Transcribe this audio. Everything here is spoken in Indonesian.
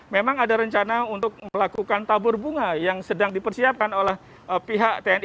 memang ada rencana untuk melakukan tabur bunga yang sedang dipersiapkan oleh pihak tni